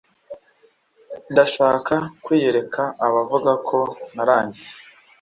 ndashaka kwiyereka abavuga ko narangiye